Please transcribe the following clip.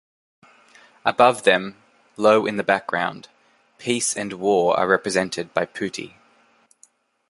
Above them, low in the background, Peace and War are represented by putti.